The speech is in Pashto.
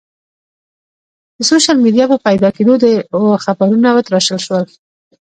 د سوشل میډیا په پیدا کېدو خبرونه وتراشل شول.